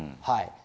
はい。